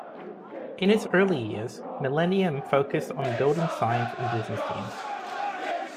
In its early years, Millennium focused on building science and business teams.